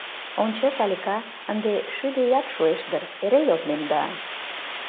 Ончо, Салика, ынде шӱдӧ ият шуэш дыр, эре йоднем да...